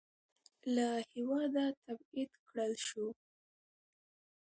له هېواده تبعید کړل شو.